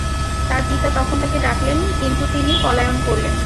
তাঁর পিতা তখন তাকে ডাকলেন, কিন্তু তিনি পলায়ন করলেন।